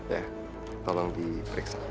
ya tolong diperiksa